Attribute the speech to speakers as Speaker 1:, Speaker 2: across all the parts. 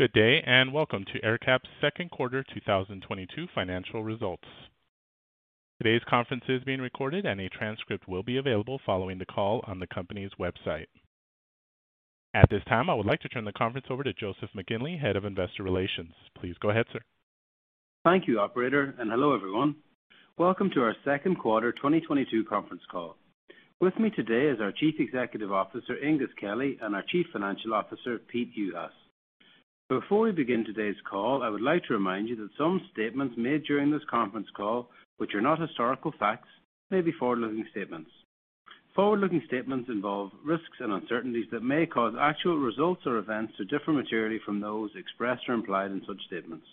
Speaker 1: Good day, and welcome to AerCap's second quarter 2022 financial results. Today's conference is being recorded, and a transcript will be available following the call on the company's website. At this time, I would like to turn the conference over to Joseph McGinley, Head of Investor Relations. Please go ahead, sir.
Speaker 2: Thank you, operator, and hello, everyone. Welcome to our second quarter 2022 conference call. With me today is our Chief Executive Officer, Aengus Kelly, and our Chief Financial Officer, Pete Juhas. Before we begin today's call, I would like to remind you that some statements made during this conference call, which are not historical facts, may be forward-looking statements. Forward-looking statements involve risks and uncertainties that may cause actual results or events to differ materially from those expressed or implied in such statements.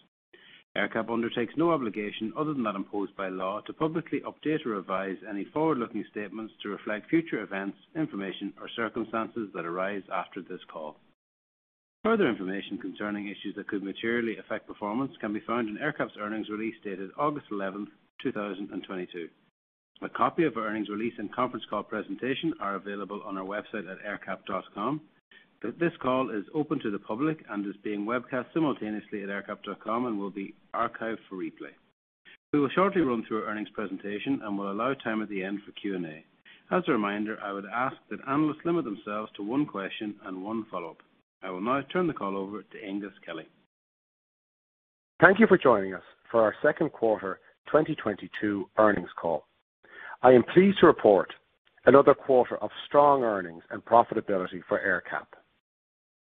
Speaker 2: AerCap undertakes no obligation other than that imposed by law to publicly update or revise any forward-looking statements to reflect future events, information, or circumstances that arise after this call. Further information concerning issues that could materially affect performance can be found in AerCap's earnings release dated August 11, 2022. A copy of our earnings release and conference call presentation are available on our website at aercap.com. This call is open to the public and is being webcast simultaneously at aercap.com and will be archived for replay. We will shortly run through our earnings presentation and will allow time at the end for Q&A. As a reminder, I would ask that analysts limit themselves to one question and one follow-up. I will now turn the call over to Aengus Kelly. Thank you for joining us for our second quarter 2022 earnings call. I am pleased to report another quarter of strong earnings and profitability for AerCap.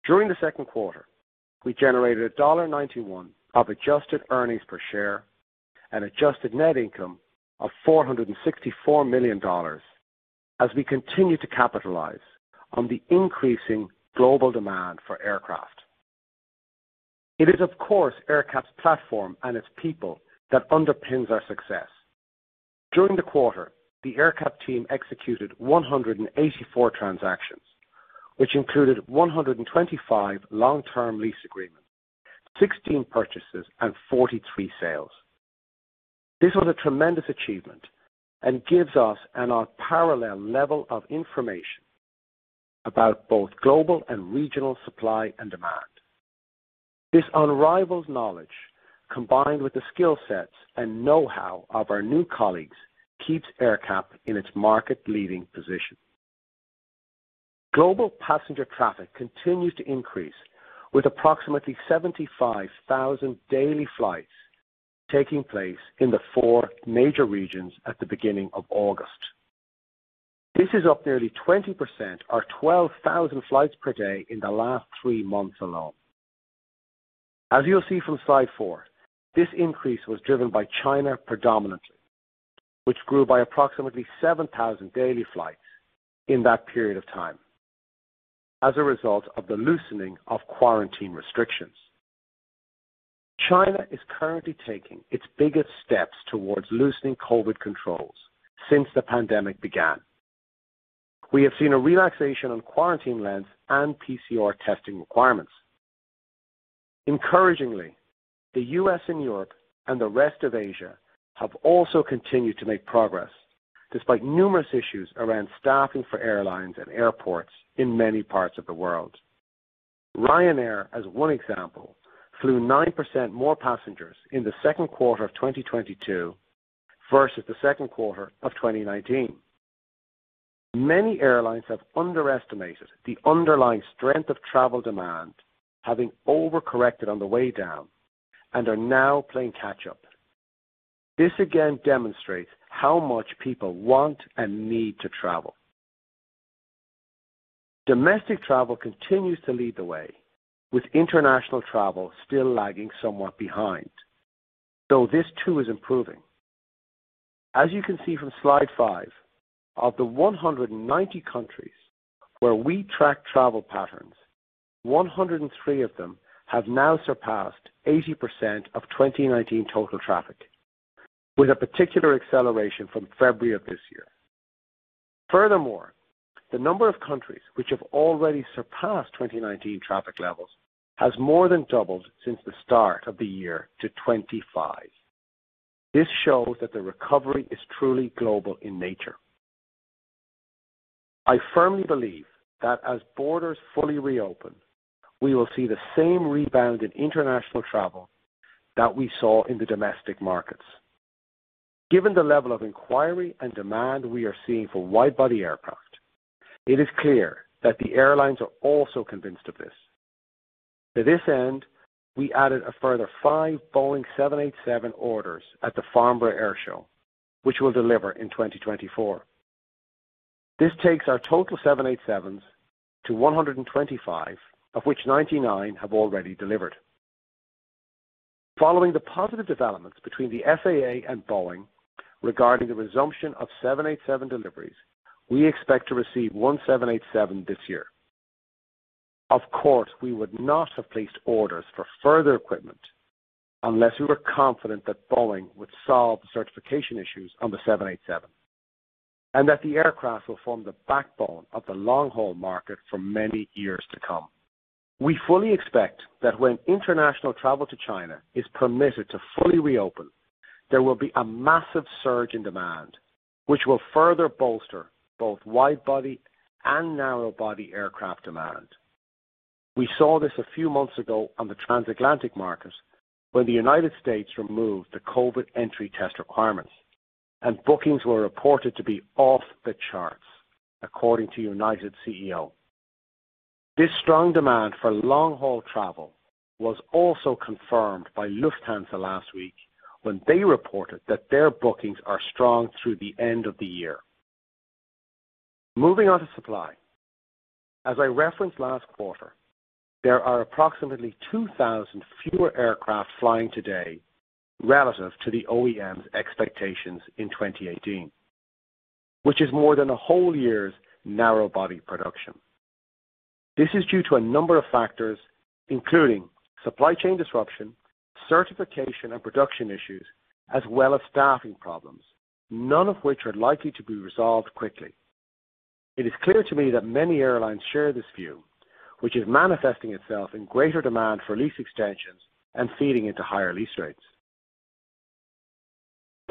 Speaker 2: During the second quarter, we generated $0.91 of adjusted earnings per share and adjusted net income of $464 million as we continue to capitalize on the increasing global demand for aircraft.
Speaker 3: It is, of course, AerCap's platform and its people that underpins our success. During the quarter, the AerCap team executed 184 transactions, which included 125 long-term lease agreements, 16 purchases, and 43 sales. This was a tremendous achievement and gives us an unparalleled level of information about both global and regional supply and demand. This unrivaled knowledge, combined with the skill sets and know-how of our new colleagues, keeps AerCap in its market-leading position. Global passenger traffic continues to increase, with approximately 75,000 daily flights taking place in the four major regions at the beginning of August. This is up nearly 20% or 12,000 flights per day in the last three months alone. As you'll see from slide four, this increase was driven by China predominantly, which grew by approximately 7,000 daily flights in that period of time as a result of the loosening of quarantine restrictions. China is currently taking its biggest steps towards loosening COVID controls since the pandemic began. We have seen a relaxation on quarantine lengths and PCR testing requirements. Encouragingly, the U.S. and Europe and the rest of Asia have also continued to make progress despite numerous issues around staffing for airlines and airports in many parts of the world. Ryanair, as one example, flew 9% more passengers in the second quarter of 2022 versus the second quarter of 2019. Many airlines have underestimated the underlying strength of travel demand, having overcorrected on the way down and are now playing catch up. This again demonstrates how much people want and need to travel. Domestic travel continues to lead the way, with international travel still lagging somewhat behind. Though this too is improving. As you can see from slide five, of the 190 countries where we track travel patterns, 103 of them have now surpassed 80% of 2019 total traffic, with a particular acceleration from February of this year. Furthermore, the number of countries which have already surpassed 2019 traffic levels has more than doubled since the start of the year to 25. This shows that the recovery is truly global in nature. I firmly believe that as borders fully reopen, we will see the same rebound in international travel that we saw in the domestic markets. Given the level of inquiry and demand we are seeing for wide-body aircraft, it is clear that the airlines are also convinced of this. To this end, we added a further five Boeing 787 orders at the Farnborough Airshow, which will deliver in 2024. This takes our total 787-125, of which 99 have already delivered. Following the positive developments between the FAA and Boeing regarding the resumption of 787 deliveries, we expect to receive one 787 this year. Of course, we would not have placed orders for further equipment unless we were confident that Boeing would solve the certification issues on the 787 and that the aircraft will form the backbone of the long-haul market for many years to come. We fully expect that when international travel to China is permitted to fully reopen. There will be a massive surge in demand, which will further bolster both wide-body and narrow-body aircraft demand. We saw this a few months ago on the transatlantic market when the United States removed the COVID entry test requirements, and bookings were reported to be off the charts, according to United's CEO. This strong demand for long-haul travel was also confirmed by Lufthansa last week when they reported that their bookings are strong through the end of the year. Moving on to supply. As I referenced last quarter, there are approximately 2,000 fewer aircraft flying today relative to the OEM's expectations in 2018, which is more than a whole year's narrow-body production. This is due to a number of factors, including supply chain disruption, certification and production issues, as well as staffing problems, none of which are likely to be resolved quickly. It is clear to me that many airlines share this view, which is manifesting itself in greater demand for lease extensions and feeding into higher lease rates.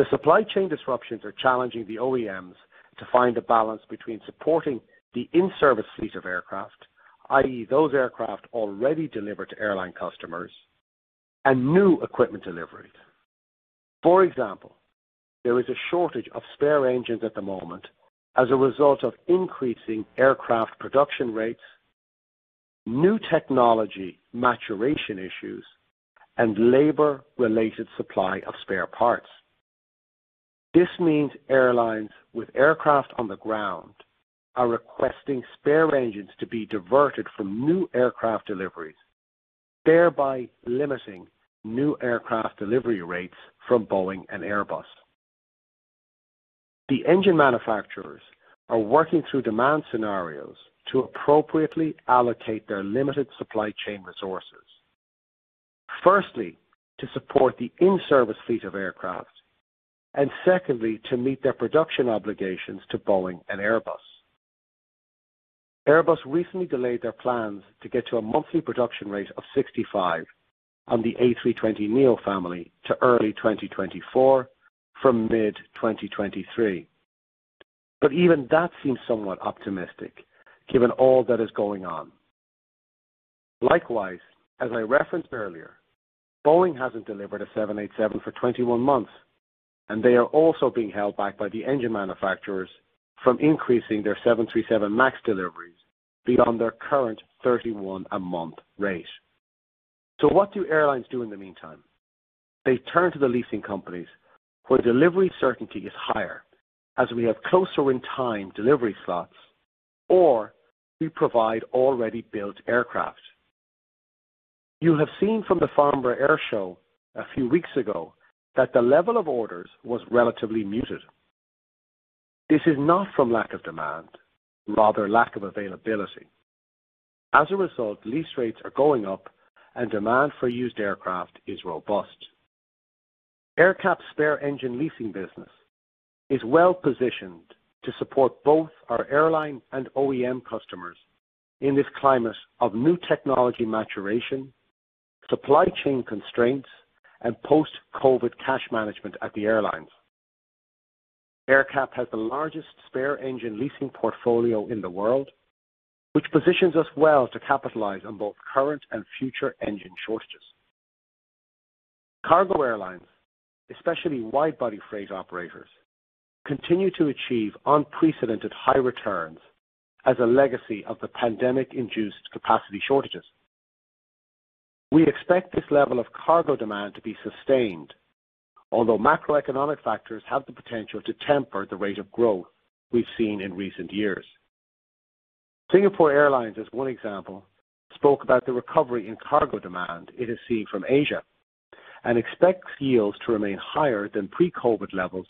Speaker 3: The supply chain disruptions are challenging the OEMs to find a balance between supporting the in-service fleet of aircraft, i.e., those aircraft already delivered to airline customers, and new equipment deliveries. For example, there is a shortage of spare engines at the moment as a result of increasing aircraft production rates, new technology maturation issues, and labor-related supply of spare parts. This means airlines with aircraft on the ground are requesting spare engines to be diverted from new aircraft deliveries, thereby limiting new aircraft delivery rates from Boeing and Airbus. The engine manufacturers are working through demand scenarios to appropriately allocate their limited supply chain resources. Firstly, to support the in-service fleet of aircraft, and secondly, to meet their production obligations to Boeing and Airbus. Airbus recently delayed their plans to get to a monthly production rate of 65 on the A320neo family to early 2024 from mid-2023. Even that seems somewhat optimistic given all that is going on. Likewise, as I referenced earlier, Boeing hasn't delivered a 787 for 21 months, and they are also being held back by the engine manufacturers from increasing their 737 MAX deliveries beyond their current 31 a month rate. What do airlines do in the meantime? They turn to the leasing companies where delivery certainty is higher as we have closer in-time delivery slots, or we provide already built aircraft. You have seen from the Farnborough Airshow a few weeks ago that the level of orders was relatively muted. This is not from lack of demand, rather lack of availability. As a result, lease rates are going up and demand for used aircraft is robust. AerCap spare engine leasing business is well-positioned to support both our airline and OEM customers in this climate of new technology maturation, supply chain constraints, and post-COVID cash management at the airlines. AerCap has the largest spare engine leasing portfolio in the world, which positions us well to capitalize on both current and future engine shortages. Cargo airlines, especially wide-body freight operators, continue to achieve unprecedented high returns as a legacy of the pandemic-induced capacity shortages. We expect this level of cargo demand to be sustained, although macroeconomic factors have the potential to temper the rate of growth we've seen in recent years. Singapore Airlines, as one example, spoke about the recovery in cargo demand it is seeing from Asia and expects yields to remain higher than pre-COVID levels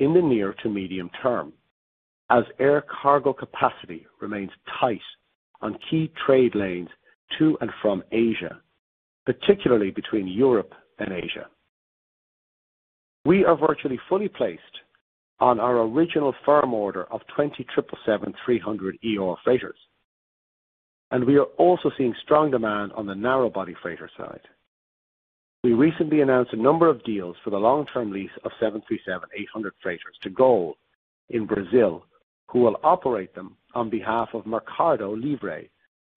Speaker 3: in the near to medium-term as air cargo capacity remains tight on key trade lanes to and from Asia, particularly between Europe and Asia. We are virtually fully placed on our original firm order of 20 777-300ER freighters, and we are also seeing strong demand on the narrow-body freighter side. We recently announced a number of deals for the long-term lease of 737-800 freighters to GOL in Brazil, who will operate them on behalf of Mercado Libre,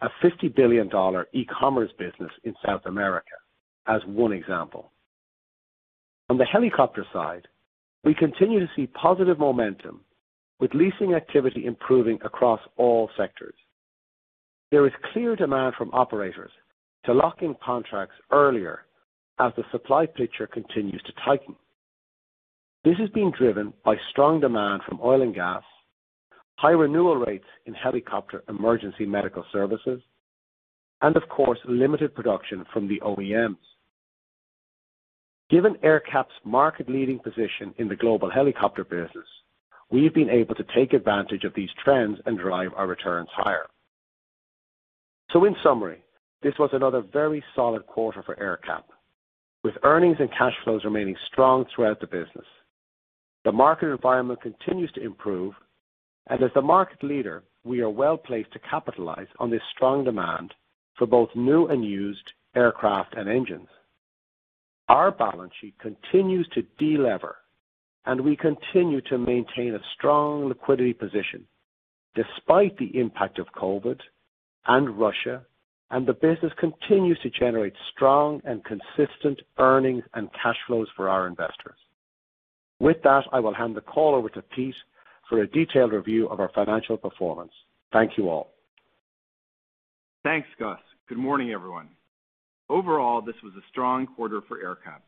Speaker 3: a $50 billion e-commerce business in South America, as one example. On the helicopter side, we continue to see positive momentum with leasing activity improving across all sectors. There is clear demand from operators to lock in contracts earlier as the supply picture continues to tighten. This is being driven by strong demand from oil and gas, high renewal rates in helicopter emergency medical services, and of course, limited production from the OEMs. Given AerCap's market-leading position in the global helicopter business, we've been able to take advantage of these trends and drive our returns higher. In summary, this was another very solid quarter for AerCap, with earnings and cash flows remaining strong throughout the business. The market environment continues to improve, and as the market leader, we are well-placed to capitalize on this strong demand for both new and used aircraft and engines. Our balance sheet continues to delever, and we continue to maintain a strong liquidity position despite the impact of COVID and Russia, and the business continues to generate strong and consistent earnings and cash flows for our investors. With that, I will hand the call over to Pete for a detailed review of our financial performance. Thank you all.
Speaker 4: Thanks, Gus. Good morning, everyone. Overall, this was a strong quarter for AerCap.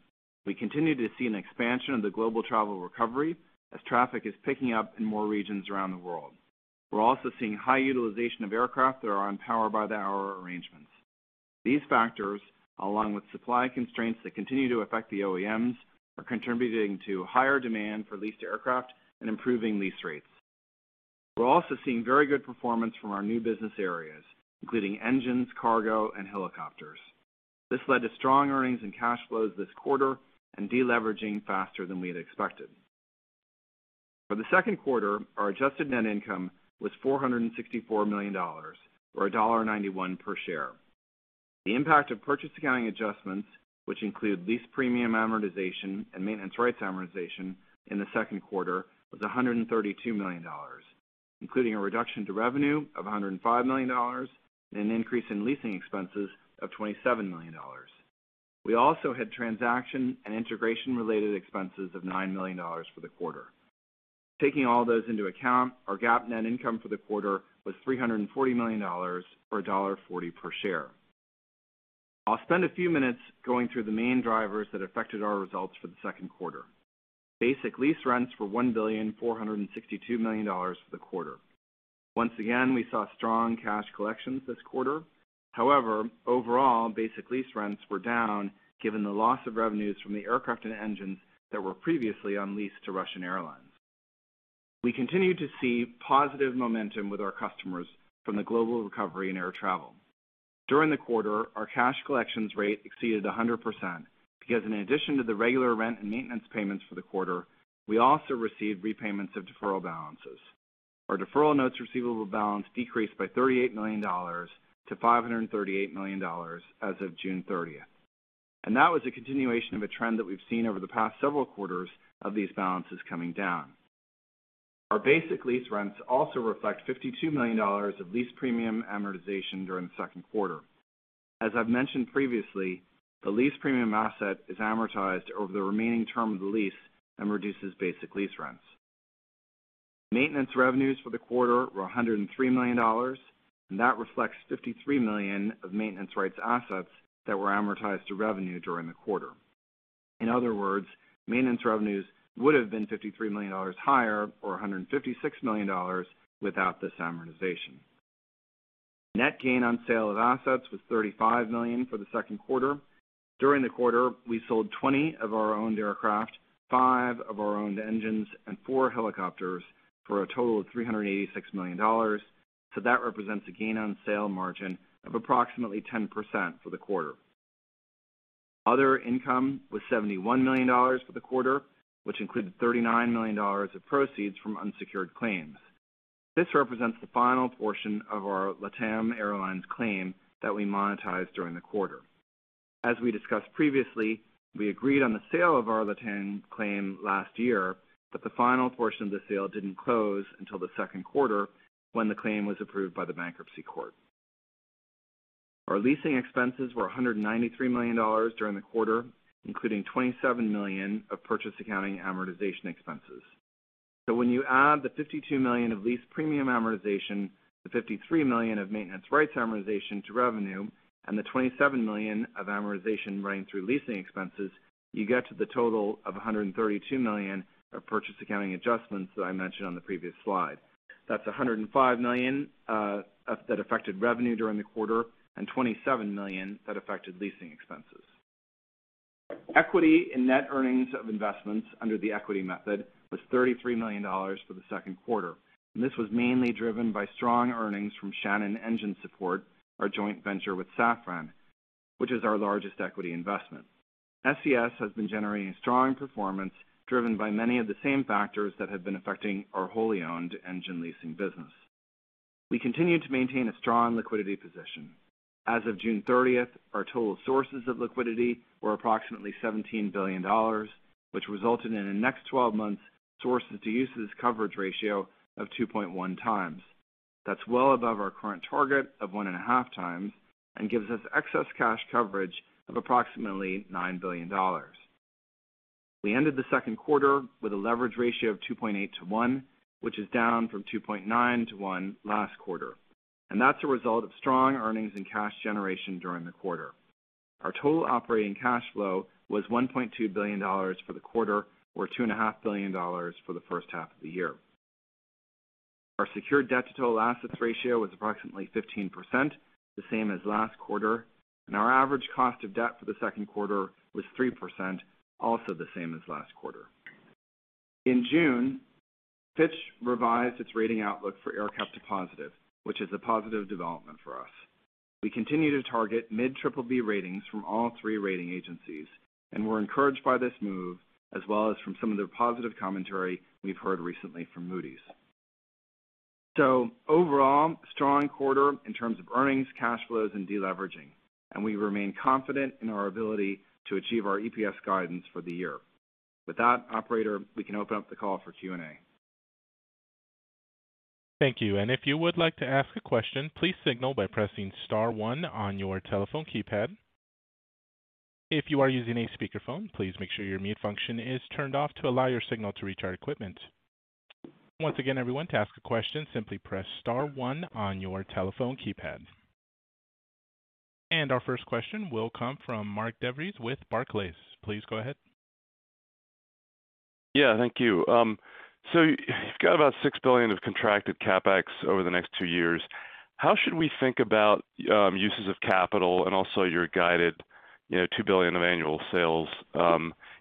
Speaker 4: We continue to see an expansion of the global travel recovery as traffic is picking up in more regions around the world. We're also seeing high utilization of aircraft that are on power by the hour arrangements. These factors, along with supply constraints that continue to affect the OEMs, are contributing to higher demand for leased aircraft and improving lease rates. We're also seeing very good performance from our new business areas, including engines, cargo, and helicopters. This led to strong earnings and cash flows this quarter and deleveraging faster than we had expected. For the second quarter, our adjusted net income was $464 million or $1.91 per share. The impact of purchase accounting adjustments, which include lease premium amortization and maintenance rights amortization in the second quarter, was $132 million, including a reduction to revenue of $105 million and an increase in leasing expenses of $27 million. We also had transaction and integration related expenses of $9 million for the quarter. Taking all those into account, our GAAP net income for the quarter was $340 million or $1.40 per share. I'll spend a few minutes going through the main drivers that affected our results for the second quarter. Basic lease rents were $1,462 million for the quarter. Once again, we saw strong cash collections this quarter. However, overall, basic lease rents were down, given the loss of revenues from the aircraft and engines that were previously on lease to Russian airlines. We continued to see positive momentum with our customers from the global recovery in air travel. During the quarter, our cash collections rate exceeded 100% because in addition to the regular rent and maintenance payments for the quarter, we also received repayments of deferral balances. Our deferral notes receivable balance decreased by $38 million to $538 million as of June 30th, and that was a continuation of a trend that we've seen over the past several quarters of these balances coming down. Our basic lease rents also reflect $52 million of lease premium amortization during the second quarter. As I've mentioned previously, the lease premium asset is amortized over the remaining term of the lease and reduces basic lease rents. Maintenance revenues for the quarter were $103 million, and that reflects $53 million of maintenance rights assets that were amortized to revenue during the quarter. In other words, maintenance revenues would have been $53 million higher or $156 million without this amortization. Net gain on sale of assets was $35 million for the second quarter. During the quarter, we sold 20 of our owned aircraft, five of our owned engines, and four helicopters for a total of $386 million, so that represents a gain on sale margin of approximately 10% for the quarter. Other income was $71 million for the quarter, which included $39 million of proceeds from unsecured claims. This represents the final portion of our LATAM Airlines claim that we monetized during the quarter. As we discussed previously, we agreed on the sale of our LATAM claim last year, but the final portion of the sale didn't close until the second quarter when the claim was approved by the bankruptcy court. Our leasing expenses were $193 million during the quarter, including $27 million of purchase accounting amortization expenses. When you add the $52 million of lease premium amortization, the $53 million of maintenance rights amortization to revenue, and the $27 million of amortization running through leasing expenses, you get to the total of $132 million of purchase accounting adjustments that I mentioned on the previous slide. That's $105 million that affected revenue during the quarter and $27 million that affected leasing expenses. Equity and net earnings of investments under the equity method was $33 million for the second quarter, and this was mainly driven by strong earnings from Shannon Engine Support, our joint venture with Safran, which is our largest equity investment. SES has been generating strong performance driven by many of the same factors that have been affecting our wholly owned engine leasing business. We continue to maintain a strong liquidity position. As of June 30, our total sources of liquidity were approximately $17 billion, which resulted in the next 12 months sources to uses coverage ratio of 2.1 times. That's well above our current target of 1.5 times and gives us excess cash coverage of approximately $9 billion. We ended the second quarter with a leverage ratio of 2.8-1, which is down from 2.9-1 last quarter, and that's a result of strong earnings and cash generation during the quarter. Our total operating cash flow was $1.2 billion for the quarter, or $2.5 billion for the first half of the year. Our secured debt-to-total assets ratio was approximately 15%, the same as last quarter, and our average cost of debt for the second quarter was 3%, also the same as last quarter. In June, Fitch revised its rating outlook for AerCap to positive, which is a positive development for us. We continue to target mid triple B ratings from all three rating agencies, and we're encouraged by this move, as well as from some of the positive commentary we've heard recently from Moody's. Overall, strong quarter in terms of earnings, cash flows and de-leveraging, and we remain confident in our ability to achieve our EPS guidance for the year. With that, operator, we can open up the call for Q&A.
Speaker 1: Thank you. If you would like to ask a question, please signal by pressing star one on your telephone keypad. If you are using a speakerphone, please make sure your mute function is turned off to allow your signal to reach our equipment. Once again, everyone, to ask a question, simply press star one on your telephone keypad. Our first question will come from Mark DeVries with Barclays. Please go ahead.
Speaker 5: Yeah, thank you. You've got about $6 billion of contracted CapEx over the next two years. How should we think about uses of capital and also your guided, you know, $2 billion of annual sales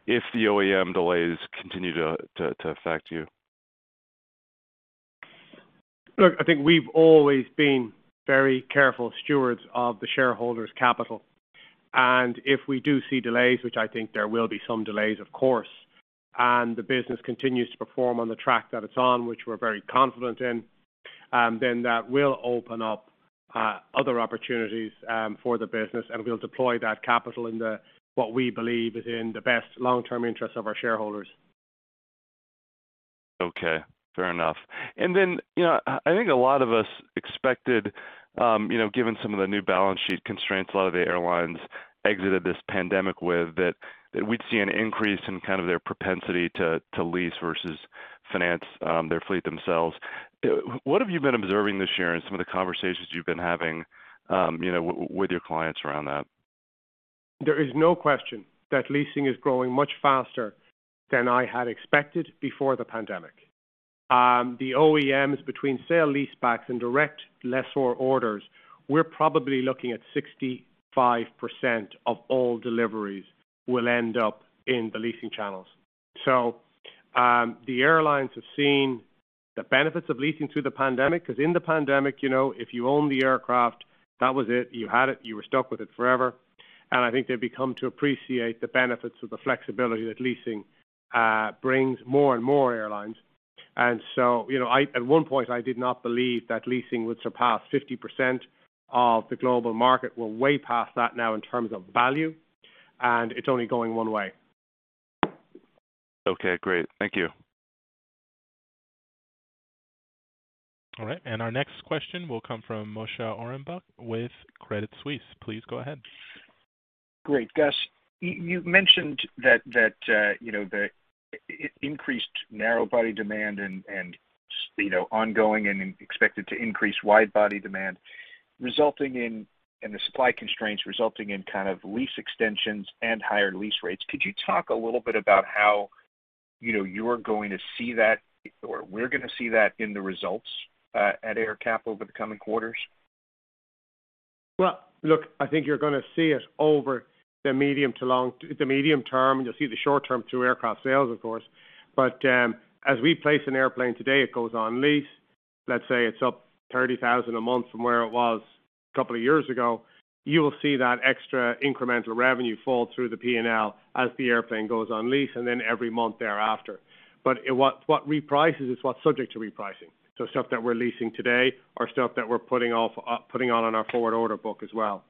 Speaker 5: if the OEM delays continue to affect you?
Speaker 3: Look, I think we've always been very careful stewards of the shareholders' capital. If we do see delays, which I think there will be some delays, of course, and the business continues to perform on the track that it's on, which we're very confident in, then that will open up other opportunities for the business, and we'll deploy that capital in what we believe is in the best long-term interests of our shareholders.
Speaker 5: Okay. Fair enough. You know, I think a lot of us expected, you know, given some of the new balance sheet constraints a lot of the airlines exited this pandemic with, that we'd see an increase in kind of their propensity to lease versus finance their fleet themselves. What have you been observing this year in some of the conversations you've been having, you know, with your clients around that?
Speaker 3: There is no question that leasing is growing much faster than I had expected before the pandemic. The OEMs between sale leasebacks and direct lessor orders, we're probably looking at 65% of all deliveries will end up in the leasing channels. The airlines have seen the benefits of leasing through the pandemic, 'cause in the pandemic, you know, if you own the aircraft, that was it. You had it, you were stuck with it forever. I think they've come to appreciate the benefits of the flexibility that leasing brings more and more airlines. You know, at one point, I did not believe that leasing would surpass 50% of the global market. We're way past that now in terms of value, and it's only going one way.
Speaker 5: Okay, great. Thank you.
Speaker 1: All right. Our next question will come from Moshe Orenbuch with Credit Suisse. Please go ahead.
Speaker 6: Great. Gus, you've mentioned that you know, the increased narrow body demand and you know, ongoing and expected to increase wide body demand resulting in the supply constraints, resulting in kind of lease extensions and higher lease rates. Could you talk a little bit about how you know, you're going to see that or we're going to see that in the results at AerCap over the coming quarters?
Speaker 3: Well, look, I think you're going to see it over the medium to long, the medium-term. You'll see the short-term to aircraft sales, of course. As we place an airplane today, it goes on lease. Let's say it's up $30,000 a month from where it was a couple of years ago. You will see that extra incremental revenue fall through the P&L as the airplane goes on lease and then every month thereafter. What reprices is what's subject to repricing. Stuff that we're leasing today or stuff that we're putting on our forward order book as well.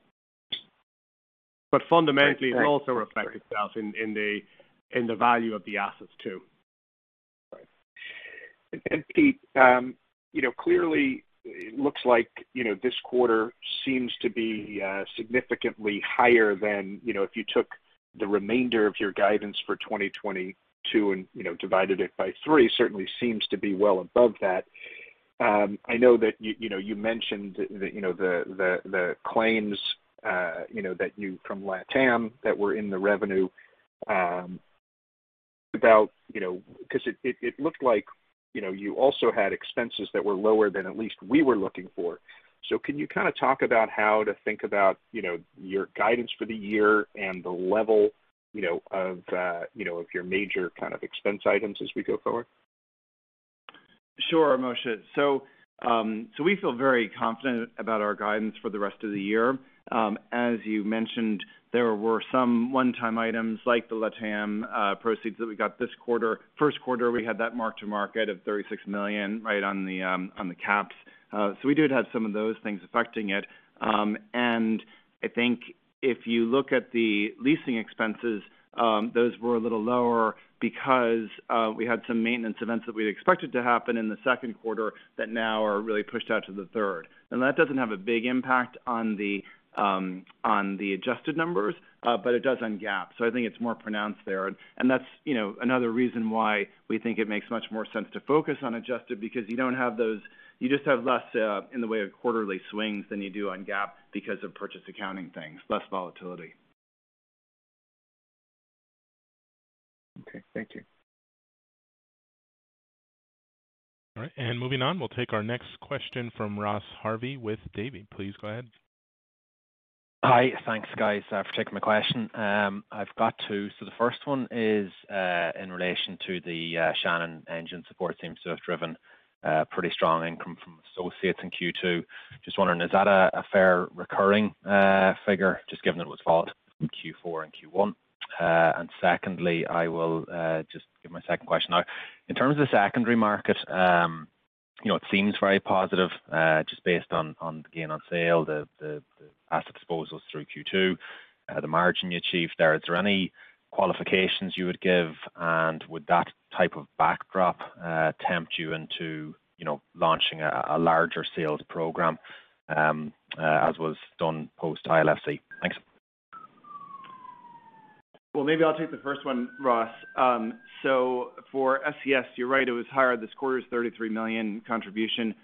Speaker 3: Fundamentally.
Speaker 6: Great, great.
Speaker 3: It'll also reflect itself in the value of the assets too.
Speaker 6: Right. Pete, you know, clearly it looks like, you know, this quarter seems to be significantly higher than, you know, if you took the remainder of your guidance for 2022 and, you know, divided it by three, certainly seems to be well above that. I know that you know, you mentioned the, you know, the claims, you know, from LATAM that were in the revenue, about, you know, 'cause it looked like, you know, you also had expenses that were lower than at least we were looking for. Can you kinda talk about how to think about, you know, your guidance for the year and the level, you know, of, you know, of your major kind of expense items as we go forward?
Speaker 4: Sure, Moshe. We feel very confident about our guidance for the rest of the year. As you mentioned, there were some one-time items like the LATAM proceeds that we got this quarter. First quarter, we had that mark-to-market of $36 million right on the caps. We did have some of those things affecting it. I think if you look at the leasing expenses, those were a little lower because we had some maintenance events that we had expected to happen in the second quarter that now are really pushed out to the third. That doesn't have a big impact on the adjusted numbers, but it does on GAAP. I think it's more pronounced there. That's, you know, another reason why we think it makes much more sense to focus on adjusted because you don't have those. You just have less, in the way of quarterly swings than you do on GAAP because of purchase accounting things, less volatility.
Speaker 6: Okay. Thank you.
Speaker 1: All right. Moving on, we'll take our next question from Ross Harvey with Davy. Please go ahead.
Speaker 7: Hi. Thanks guys, for taking my question. I've got two. The first one is in relation to the Shannon Engine Support team. It's driven a pretty strong income from associates in Q2. Just wondering, is that a fair recurring figure? Just given that it was flowed from Q4 and Q1. Secondly, I will just give my second question now. In terms of secondary market, you know, it seems very positive, just based on the gain on sale, the asset disposals through Q2, the margin you achieved there. Is there any qualifications you would give, and would that type of backdrop tempt you into, you know, launching a larger sales program, as was done post ILFC? Thanks.
Speaker 4: Well, maybe I'll take the first one, Ross. For SES, you're right, it was higher. This quarter's $33 million contribution.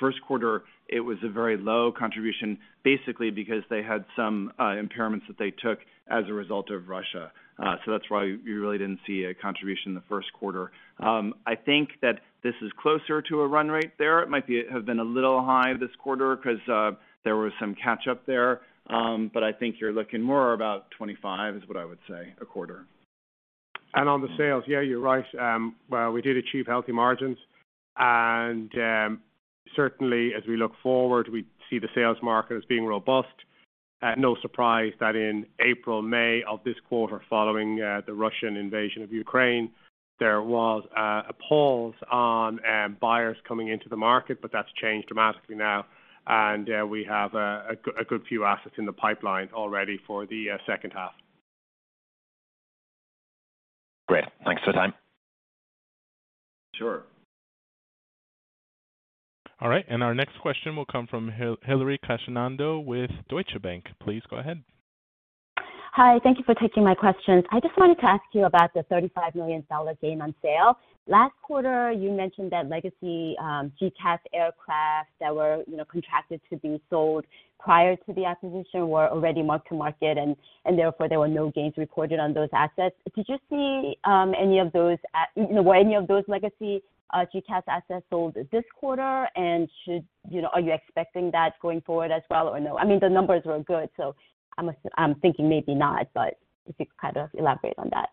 Speaker 4: First quarter, it was a very low contribution, basically because they had some impairments that they took as a result of Russia. That's why you really didn't see a contribution in the first quarter. I think that this is closer to a run rate there. It might been a little high this quarter because there was some catch-up there. I think you're looking more about 25 is what I would say a quarter.
Speaker 3: On the sales, yeah, you're right. Well, we did achieve healthy margins. Certainly as we look forward, we see the sales market as being robust. No surprise that in April, May of this quarter following the Russian invasion of Ukraine, there was a pause on buyers coming into the market, but that's changed dramatically now. We have a good few assets in the pipeline already for the second half.
Speaker 7: Great. Thanks for the time.
Speaker 4: Sure.
Speaker 1: All right, and our next question will come from Hillary Cacanando with Deutsche Bank. Please go ahead.
Speaker 8: Hi. Thank you for taking my questions. I just wanted to ask you about the $35 million gain on sale. Last quarter, you mentioned that legacy GECAS aircraft that were, you know, contracted to be sold prior to the acquisition were already mark-to-market and therefore there were no gains recorded on those assets. Did you see any of those, you know, were any of those legacy GECAS assets sold this quarter, and you know, are you expecting that going forward as well or no? I mean, the numbers were good, so I'm thinking maybe not, but if you could kind of elaborate on that.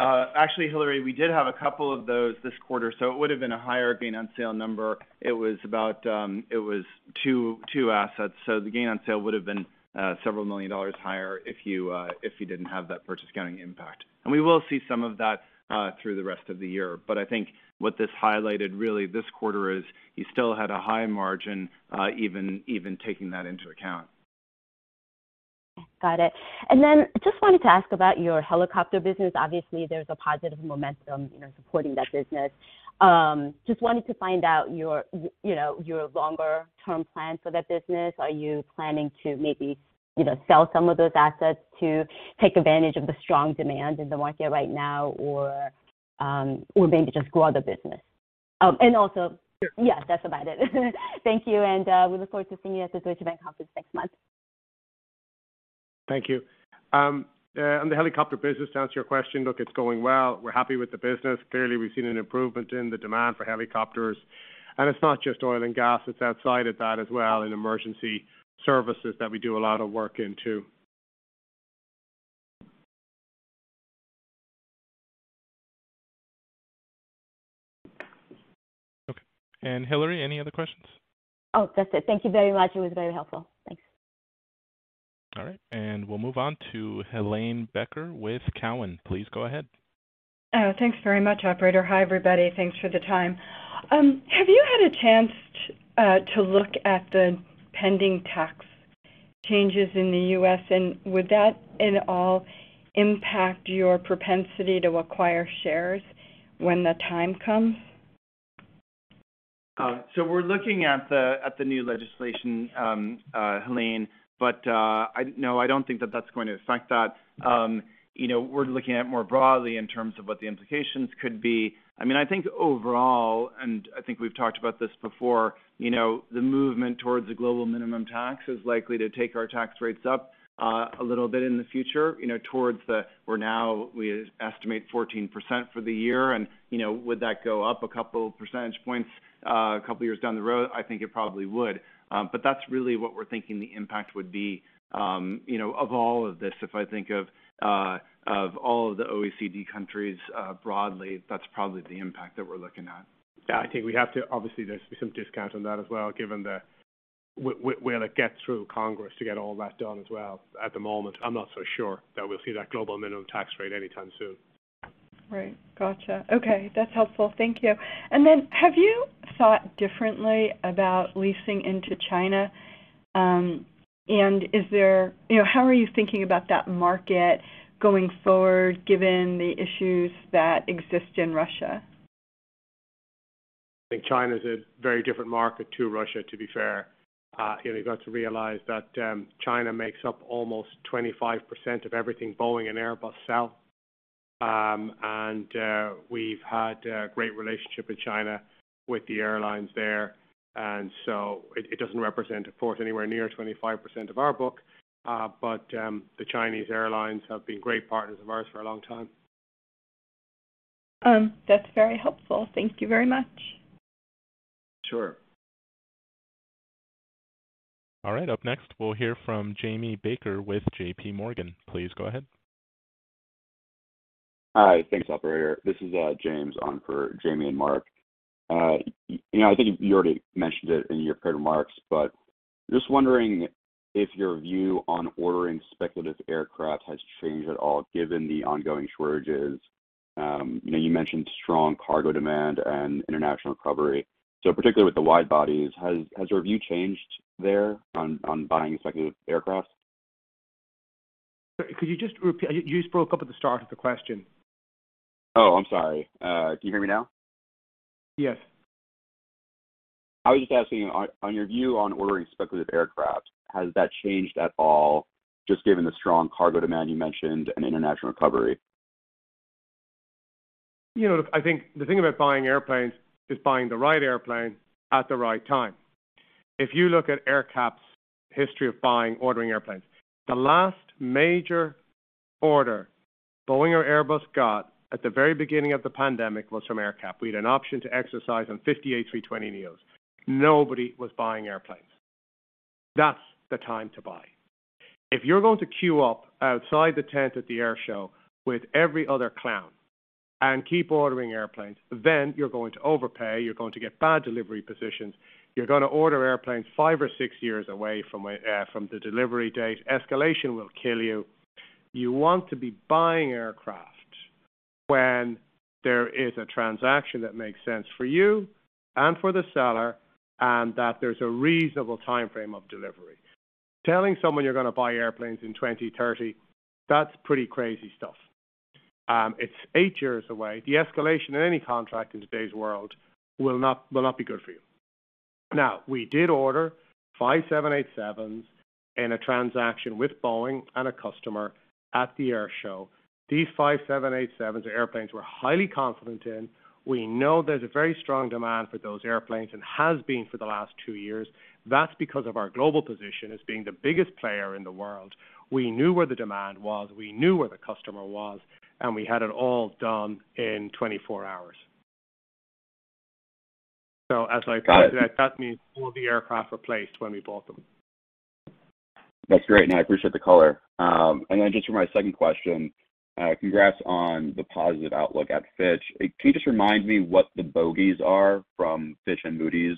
Speaker 4: Actually, Hillary Cacanando, we did have a couple of those this quarter, so it would have been a higher gain on sale number. It was about two assets. So the gain on sale would have been $several million higher if you didn't have that purchase accounting impact. We will see some of that through the rest of the year. I think what this highlighted really this quarter is you still had a high margin, even taking that into account.
Speaker 8: Got it. Just wanted to ask about your helicopter business. Obviously, there's a positive momentum, you know, supporting that business. Just wanted to find out, you know, your longer-term plan for that business. Are you planning to maybe, you know, sell some of those assets to take advantage of the strong demand in the market right now or maybe just grow the business? And also.
Speaker 4: Sure.
Speaker 8: Yeah, that's about it. Thank you, and we look forward to seeing you at the Deutsche Bank conference next month.
Speaker 3: Thank you. On the helicopter business, to answer your question, look, it's going well. We're happy with the business. Clearly, we've seen an improvement in the demand for helicopters. It's not just oil and gas, it's outside of that as well, in emergency services that we do a lot of work into.
Speaker 1: Okay. Hillary Cacanando, any other questions?
Speaker 8: Oh, that's it. Thank you very much. It was very helpful. Thanks.
Speaker 1: All right. We'll move on to Helane Becker with Cowen. Please go ahead.
Speaker 9: Thanks very much, operator. Hi, everybody. Thanks for the time. Have you had a chance to look at the pending tax changes in the U.S., and would that at all impact your propensity to acquire shares when the time comes?
Speaker 4: We're looking at the new legislation, Helane. No, I don't think that's going to affect that. You know, we're looking at it more broadly in terms of what the implications could be. I mean, I think overall, I think we've talked about this before, you know, the movement towards a global minimum tax is likely to take our tax rates up a little bit in the future, you know, towards the where now we estimate 14% for the year and, you know, would that go up a couple percentage points a couple years down the road? I think it probably would. That's really what we're thinking the impact would be, you know, of all of this. If I think of all of the OECD countries, broadly, that's probably the impact that we're looking at.
Speaker 3: Yeah, I think we have to. Obviously, there's some discount on that as well, given the where to get through Congress to get all that done as well. At the moment, I'm not so sure that we'll see that global minimum tax rate anytime soon.
Speaker 9: Right. Gotcha. Okay, that's helpful. Thank you. Have you thought differently about leasing into China? Is there you know, how are you thinking about that market going forward, given the issues that exist in Russia?
Speaker 3: I think China is a very different market to Russia, to be fair. You know, you've got to realize that, China makes up almost 25% of everything Boeing and Airbus sell. We've had a great relationship with China, with the airlines there. It doesn't represent a fourth anywhere near 25% of our book. The Chinese airlines have been great partners of ours for a long time.
Speaker 9: That's very helpful. Thank you very much.
Speaker 3: Sure.
Speaker 1: All right. Up next, we'll hear from Jamie Baker with J.P. Morgan. Please go ahead.
Speaker 10: Hi. Thanks, operator. This is James on for Jamie and Mark. You know, I think you already mentioned it in your prepared remarks, but just wondering if your view on ordering speculative aircraft has changed at all given the ongoing shortages. You know, you mentioned strong cargo demand and international recovery. Particularly with the wide-bodies, has your view changed there on buying speculative aircraft?
Speaker 3: Could you just repeat? You just broke up at the start of the question.
Speaker 10: Oh, I'm sorry. Can you hear me now?
Speaker 3: Yes.
Speaker 10: I was just asking on your view on ordering speculative aircraft. Has that changed at all, just given the strong cargo demand you mentioned and international recovery?
Speaker 3: You know, I think the thing about buying airplanes is buying the right airplane at the right time. If you look at AerCap's history of buying, ordering airplanes, the last major order Boeing or Airbus got at the very beginning of the pandemic was from AerCap. We had an option to exercise on 58 A320 NEOs. Nobody was buying airplanes. That's the time to buy. If you're going to queue up outside the tent at the air show with every other clown and keep ordering airplanes, then you're going to overpay, you're going to get bad delivery positions, you're going to order airplanes five or six years away from the delivery date. Escalation will kill you. You want to be buying aircraft when there is a transaction that makes sense for you and for the seller and that there's a reasonable timeframe of delivery. Telling someone you're going to buy airplanes in 2030, that's pretty crazy stuff. It's eight years away. The escalation in any contract in today's world will not be good for you. Now, we did order five 787s in a transaction with Boeing and a customer at the air show. These five 787s are airplanes we're highly confident in. We know there's a very strong demand for those airplanes and has been for the last two years. That's because of our global position as being the biggest player in the world. We knew where the demand was, we knew where the customer was, and we had it all done in 24 hours. As I said, that means all the aircraft replaced when we bought them.
Speaker 10: That's great. No, I appreciate the color. Just for my second question, congrats on the positive outlook at Fitch. Can you just remind me what the bogeys are from Fitch and Moody's,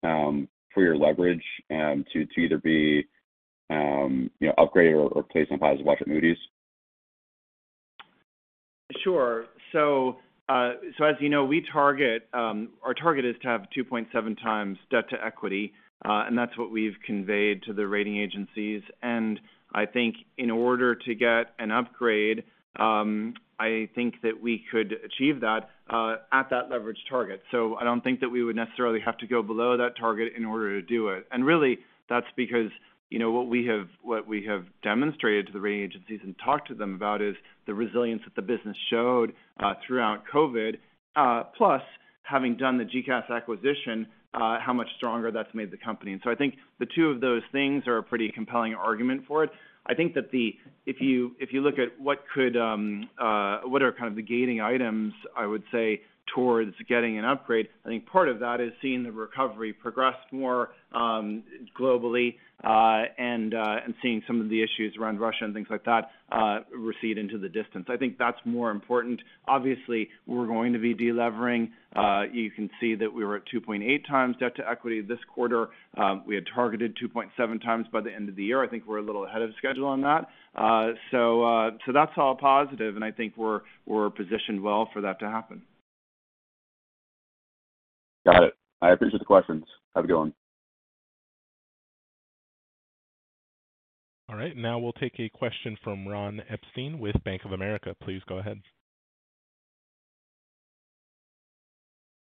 Speaker 10: for your leverage, to either be, you know, upgraded or placed on positive watch at Moody's?
Speaker 3: Sure. As you know, we target our target is to have 2.7 times debt-to-equity, and that's what we've conveyed to the rating agencies. I think in order to get an upgrade, I think that we could achieve that at that leverage target. I don't think that we would necessarily have to go below that target in order to do it. Really that's because, you know, what we have demonstrated to the rating agencies and talked to them about is the resilience that the business showed throughout COVID, plus having done the GECAS acquisition, how much stronger that's made the company. I think the two of those things are a pretty compelling argument for it. I think that the If you look at what are kind of the gating items, I would say, towards getting an upgrade, I think part of that is seeing the recovery progress more globally, and seeing some of the issues around Russia and things like that recede into the distance. I think that's more important. Obviously, we're going to be delevering. You can see that we were at 2.8 times debt-to-equity this quarter. We had targeted 2.7 times by the end of the year. I think we're a little ahead of schedule on that. So that's all positive, and I think we're positioned well for that to happen.
Speaker 10: Got it. I appreciate the questions. Have a good one.
Speaker 1: All right. Now we'll take a question from Ron Epstein with Bank of America. Please go ahead.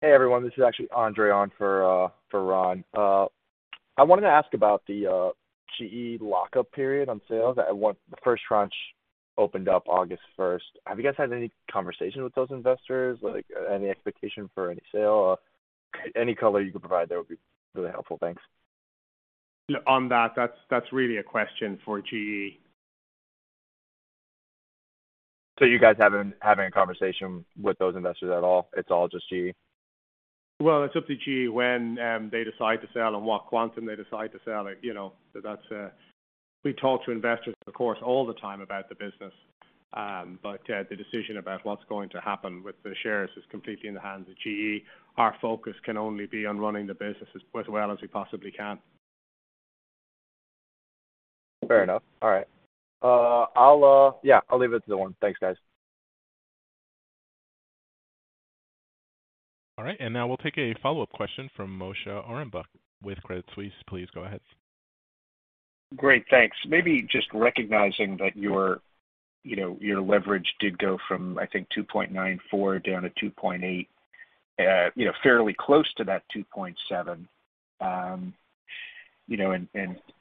Speaker 11: Hey, everyone. This is actually Andre on for Ron. I wanted to ask about the GE lockup period on sales. The first tranche opened up August first. Have you guys had any conversations with those investors? Like, any expectation for any sale? Any color you could provide there would be really helpful. Thanks.
Speaker 3: On that's really a question for GE.
Speaker 11: You guys haven't been having a conversation with those investors at all? It's all just GE?
Speaker 3: Well, it's up to GE when they decide to sell and what quantum they decide to sell. You know, that's. We talk to investors, of course, all the time about the business. The decision about what's going to happen with the shares is completely in the hands of GE. Our focus can only be on running the business as well as we possibly can.
Speaker 11: Fair enough. All right. I'll leave it to the one. Thanks, guys.
Speaker 1: All right. Now we'll take a follow-up question from Moshe Orenbuch with Credit Suisse. Please go ahead.
Speaker 6: Great. Thanks. Maybe just recognizing that your you know, your leverage did go from, I think, 2.94 down to 2.8, you know, fairly close to that 2.7. You know,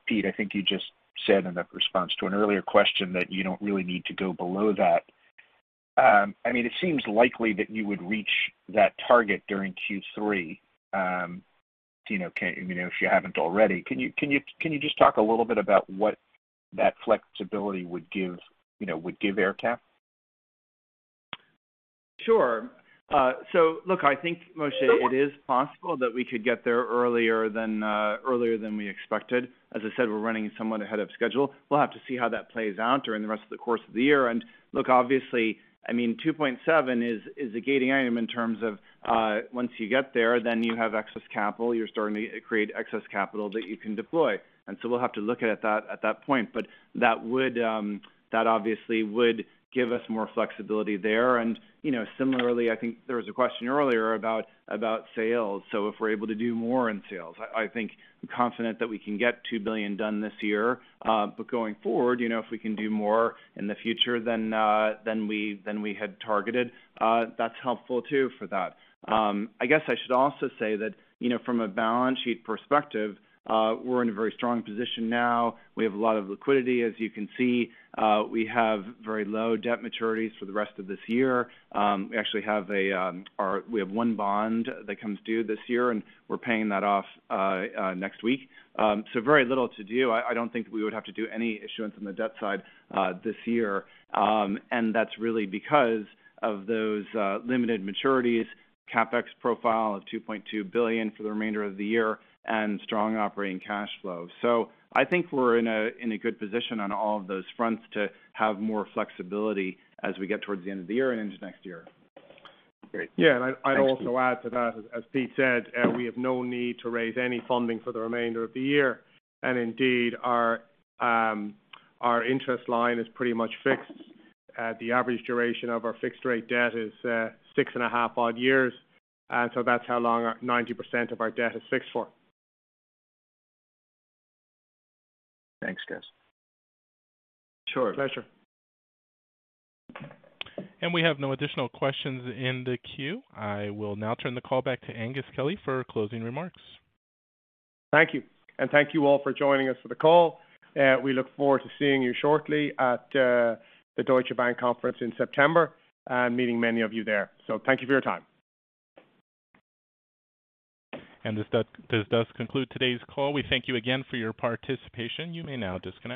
Speaker 6: Pete, I think you just said in a response to an earlier question that you don't really need to go below that. I mean, it seems likely that you would reach that target during Q3. You know, if you haven't already. Can you just talk a little bit about what that flexibility would give AerCap?
Speaker 4: Sure. So look, I think, Moshe, it is possible that we could get there earlier than we expected. As I said, we're running somewhat ahead of schedule. We'll have to see how that plays out during the rest of the course of the year. Look, obviously, I mean, 2.7 is a gating item in terms of once you get there, then you have excess capital. You're starting to create excess capital that you can deploy. We'll have to look at that at that point. But that would obviously give us more flexibility there. You know, similarly, I think there was a question earlier about sales. If we're able to do more in sales, I think I'm confident that we can get $2 billion done this year. Going forward, you know, if we can do more in the future than we had targeted, that's helpful too for that. I guess I should also say that, you know, from a balance sheet perspective, we're in a very strong position now. We have a lot of liquidity, as you can see. We have very low debt maturities for the rest of this year. We actually have one bond that comes due this year, and we're paying that off next week. Very little to do. I don't think we would have to do any issuance on the debt side this year. That's really because of those limited maturities, CapEx profile of $2.2 billion for the remainder of the year, and strong operating cash flow. I think we're in a good position on all of those fronts to have more flexibility as we get towards the end of the year and into next year.
Speaker 6: Great.
Speaker 3: Yeah. I'd also add to that, as Pete said, we have no need to raise any funding for the remainder of the year. Indeed, our interest line is pretty much fixed. The average duration of our fixed rate debt is 6.5 odd years. That's how long 90% of our debt is fixed for.
Speaker 6: Thanks, guys.
Speaker 4: Sure.
Speaker 3: Pleasure.
Speaker 1: We have no additional questions in the queue. I will now turn the call back to Aengus Kelly for closing remarks.
Speaker 3: Thank you. Thank you all for joining us for the call. We look forward to seeing you shortly at the Deutsche Bank Conference in September and meeting many of you there. Thank you for your time.
Speaker 1: This does conclude today's call. We thank you again for your participation. You may now disconnect.